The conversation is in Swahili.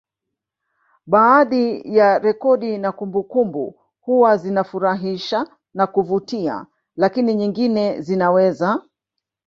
Baadhi ya rekodi na kumbukumbu huwa zinafurahisha na kuvutia lakini nyingine zinaweza